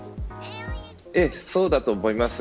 そうだと思います。